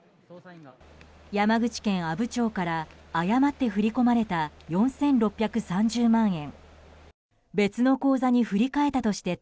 山口県阿武町から誤って振り込まれた４６３０万円。